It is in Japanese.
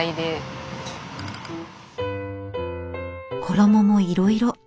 衣もいろいろ。